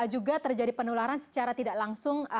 juga terjadi penularan secara tidak langsung